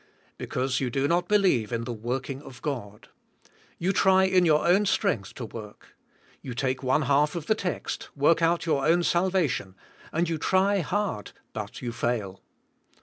Because you do not believe in the working of God. You try in your own streng'th to work. You take one half of the text, "Work out your own salvation," and you try hard but you fail.